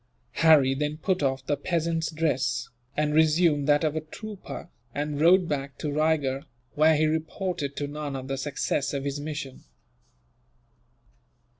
Harry then put off the peasant's dress, and resumed that of a trooper, and rode back to Raygurh, where he reported to Nana the success of his mission.